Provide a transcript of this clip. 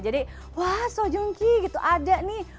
jadi wah song joong ki gitu ada nih